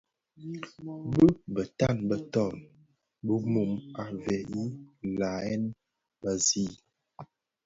Dhi bëtan beton bi mum a veg i læham bë zi.